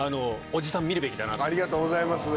ありがとうございます。